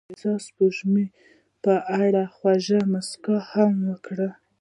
هغې د حساس سپوږمۍ په اړه خوږه موسکا هم وکړه.